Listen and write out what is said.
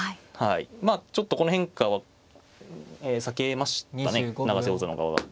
まあちょっとこの変化は避けましたね永瀬王座の側は。